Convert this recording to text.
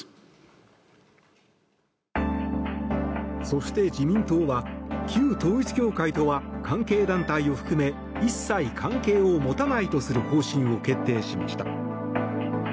そして、自民党は旧統一教会とは関係団体を含め一切関係を持たないとする方針を決定しました。